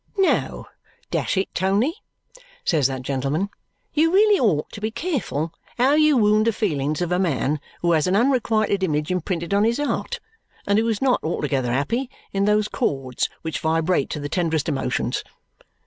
"No! Dash it, Tony," says that gentleman, "you really ought to be careful how you wound the feelings of a man who has an unrequited image imprinted on his 'eart and who is NOT altogether happy in those chords which vibrate to the tenderest emotions.